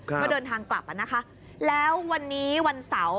ก็เดินทางกลับอ่ะนะคะแล้ววันนี้วันเสาร์